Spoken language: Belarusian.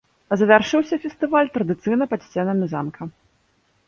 Завяршыўся фестываль традыцыйна пад сценамі замка.